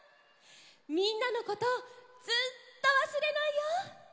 みんなのことずっとわすれないよ。